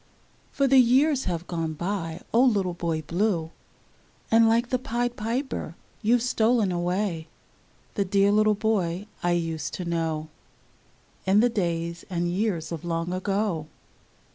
For the years have gone by, O little Boy Blue, And like the Pied Piper you've stolen away — The dear little boy I used to know, In the days and years of long ago.